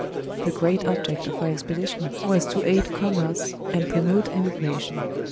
The great object of our expedition was to aid Commerce &nd promote Emigration.